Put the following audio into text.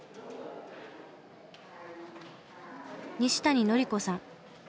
西谷典子さん。